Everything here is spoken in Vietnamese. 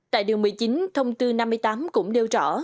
tại điều một mươi chín thông tư năm mươi tám cũng đeo rõ